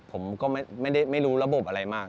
ผมก็ไม่รู้ระบบอะไรมาก